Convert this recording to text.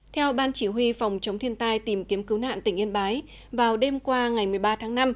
theo ban chỉ huy phòng chống thiên tai tìm kiếm cứu nạn tỉnh yên bái vào đêm qua ngày một mươi ba tháng năm